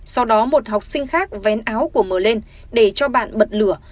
sau đó một học sinh khác vén áo của mờ lên để cho bạn bật lửa